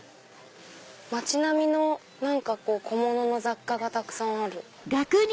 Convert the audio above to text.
街並みの小物の雑貨がたくさんある。